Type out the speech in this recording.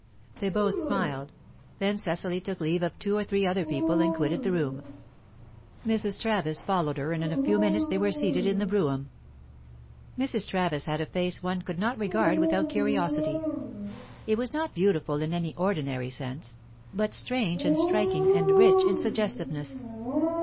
They both smiled. Then Cecily took leave of two or three other people, and quitted the room. Mrs. Travis followed her, and in a few minutes they were seated in the brougham. Mrs. Travis had a face one could not regard without curiosity. It was not beautiful in any ordinary sense, but strange and striking and rich in suggestiveness.